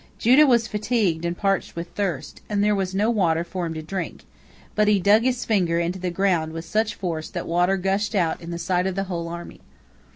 Judah was fatigued and parched with thirst, and there was no water for him to drink, but he dug his finger into the ground with such force that water gushed out in the sight of the whole army.